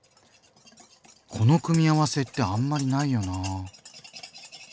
この組み合わせってあんまりないよなぁ。